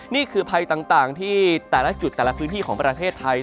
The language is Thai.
นี่คือภัยต่างที่แต่ละจุดแต่ละพื้นที่ของประเทศไทย